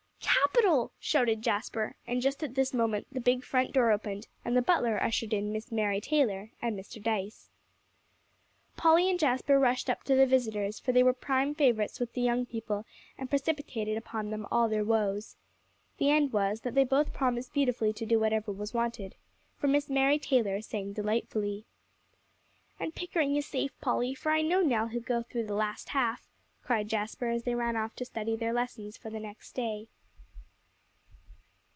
"Capital!" shouted Jasper; and just at this moment the big front door opened, and the butler ushered in Miss Mary Taylor and Mr. Dyce. Polly and Jasper rushed up to the visitors, for they were prime favorites with the young people, and precipitated upon them all their woes. The end was, that they both promised beautifully to do whatever was wanted, for Miss Mary Taylor sang delightfully. "And Pickering is safe, Polly, for I know now he'll go through the last half," cried Jasper as they ran off to study their lessons for the next day.